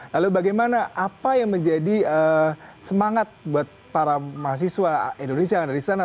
lalu bagaimana apa yang menjadi semangat buat para mahasiswa indonesia yang ada di sana